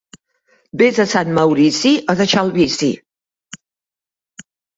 Ves a Sant Maurici a deixar el vici.